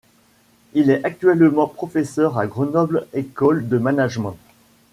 Il est actuellement professeur à Grenoble École de management.